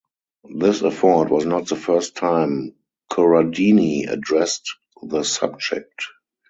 This effort was not the first time Corradini addressed the subject.